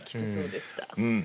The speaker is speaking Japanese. うん。